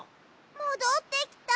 もどってきた。